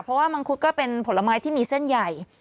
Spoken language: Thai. เพราะว่ามังคุดก็เป็นผลไม้ที่มีเส้นใหญ่